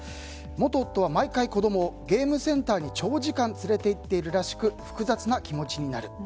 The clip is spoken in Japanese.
元夫は毎回子供をゲームセンターに長時間連れて行っているらしく複雑な気持ちになる。